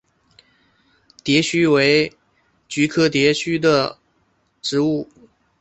蝶须为菊科蝶须属的植物。